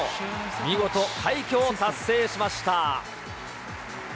見事、快挙を達成しました。